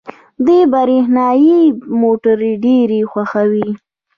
دوی برښنايي موټرې ډېرې خوښوي.